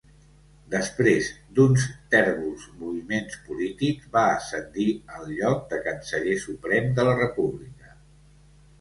Després d'uns tèrbols moviments polítics va ascendir al lloc de Canceller Suprem de la República.